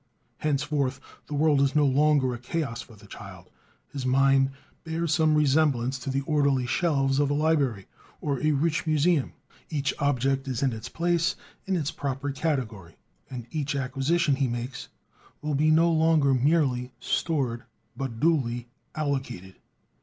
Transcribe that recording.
Henceforth the world is no longer a chaos for the child; his mind bears some resemblance to the orderly shelves of a library or a rich museum; each object is in its place, in its proper category. And each acquisition he makes will be no longer merely "stored," but duly "allocated."